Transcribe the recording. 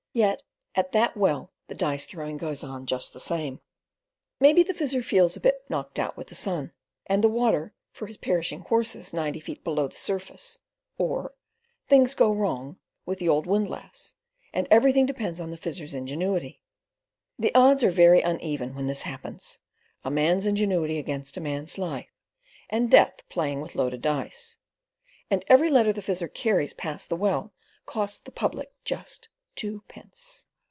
Yet at that well the dice throwing goes on just the same. Maybe the Fizzer feels "a bit knocked out with the sun," and the water for his perishing horses ninety feet below the surface; or "things go wrong" with the old windlass, and everything depends on the Fizzer's ingenuity. The odds are very uneven when this happens—a man's ingenuity against a man's life, and death playing with loaded dice. And every letter the Fizzer carries past that well costs the public just twopence.